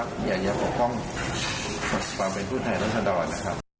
แต่ว่าอยากจะปลอดภัยปลอดภัยเป็นธรรมดด